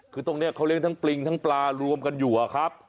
คือตรงนี้เขาเลี้ยงทั้งปริงทั้งปลารวมกันอยู่อะครับ